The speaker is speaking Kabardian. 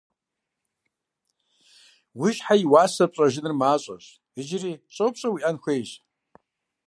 Уи щхьэ и уасэр пщӏэжыныр мащӏэщ - иджыри щӏэупщӏэ уиӏэн хуейщ.